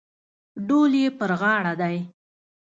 ډول یې پر غاړه دی.